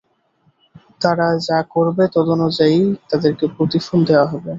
তারা যা করবে তদনুযায়ীই তাদেরকে প্রতিফল দেয়া হবে।